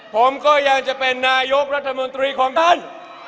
ผมก็ยังจะเป็นนายกรัฐมนตรีของท่าน